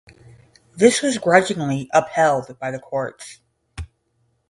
This was grudgingly upheld by the courts.